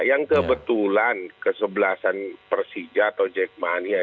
yang kebetulan kesebelasan persija atau jackmania